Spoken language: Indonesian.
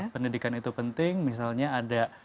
pendidikan itu penting misalnya ada